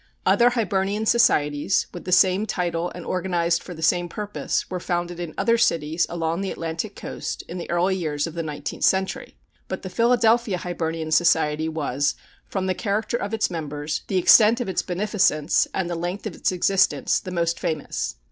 Other Hibernian Societies, with the same title and organized for the same purpose, were founded in other cities along the Atlantic coast in the early years of the nineteenth century, but the Philadelphia Hibernian Society was, from the character of its members, the extent of its beneficence, and the length of its existence, the most famous.